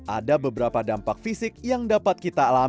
ada beberapa dampak fisik yang dapat kita alami